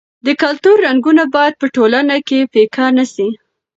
د کلتور رنګونه باید په ټولنه کې پیکه نه سي.